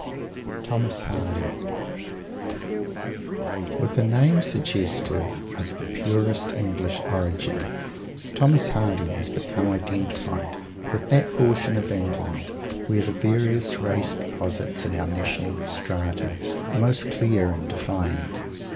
THOMAS HARDY With a name suggestive of the purest English origin, Mr. Hardy has become identified with that portion of England where the various race deposits in our national "strata" are most dear and defined.